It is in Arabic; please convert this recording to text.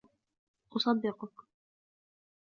أصدقك.